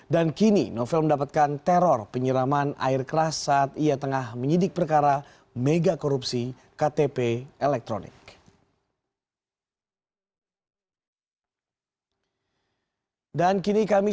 dan kini novel mendapatkan teror penyiraman air keras saat ia tengah menyidik perkara mega korupsi ktp elektronik